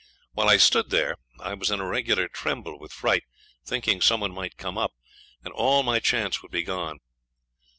While I stood there I was in a regular tremble with fright, thinking some one might come up, and all my chance would be gone.